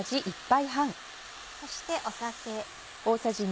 そして酒。